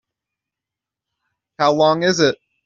How long is it?